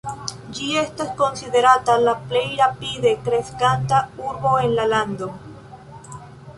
Ĝi estas konsiderata la plej rapide kreskanta urbo en la lando.